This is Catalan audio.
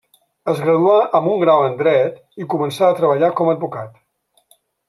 Es graduà amb un grau en dret i començà a treballar com a advocat.